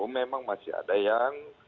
memang masih ada yang